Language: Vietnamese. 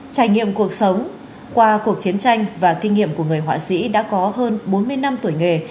trải nghiệm cuộc sống qua cuộc chiến tranh và kinh nghiệm của người họa sĩ đã có hơn bốn mươi năm tuổi nghề